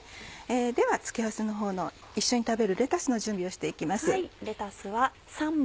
では付け合わせのほうの一緒に食べるレタスの準備をして行きます。